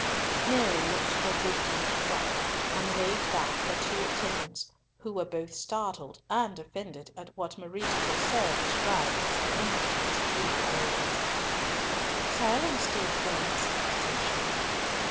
Mary looked a good deal struck, and waved back her two attendants, who were both startled and offended at what Marie de Courcelles described as the Englishman's brutal boldness. "Silence, dear friends," said she.